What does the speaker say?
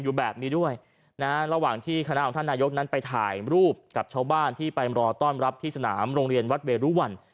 อยู่แบบนี้ด้วยนะระหว่างที่คณะของท่านนายกนั้นไปถ่ายรูปกับชาวบ้านที่ไปรอต้อนรับที่สนามโรงเรียนวัดเวรุวัน